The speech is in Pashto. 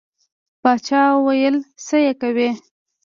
باچا ویل څه یې کوې.